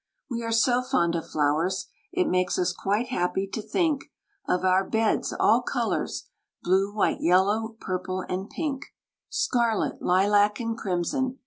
We are so fond of flowers, it makes us quite happy to think Of our beds all colours blue, white, yellow, purple, and pink, Scarlet, lilac, and crimson!